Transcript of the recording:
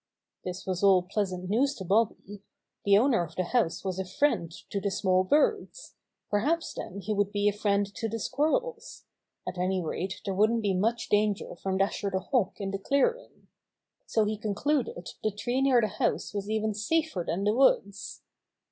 This was all pleasant news to Bobby. The owner of the house was a friend to the small birds. Perhaps then he would be a friend to the squirrels. At any rate there wouldn't be much danger from Dasher the Hawk in the clearing. So he concluded the tree near the house was even safer than the woods.